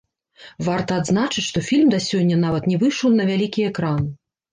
Варта адзначыць, што фільм да сёння нават не выйшаў на вялікі экран.